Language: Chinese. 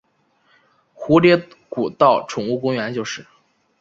蝴蝶谷道宠物公园就是。